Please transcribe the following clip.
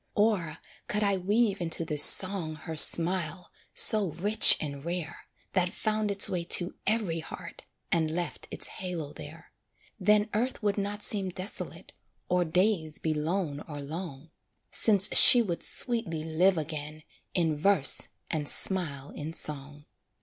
Or could I weave into this song Her smile, so rich and rare, That found its way to every heart, And left its halo there Then earth would not seem desolate, Or days be lone or long, Since she would sweetly live again In verse, and smile in song.